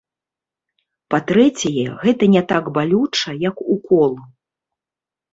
Па-трэцяе, гэта не так балюча, як укол.